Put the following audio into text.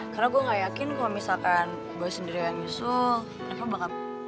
karena gue gak yakin kalo misalkan gue sendiri yang nyusul reva bakal